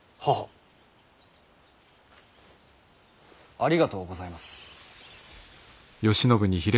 ありがとうございます。